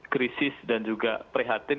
krisis dan juga prihatin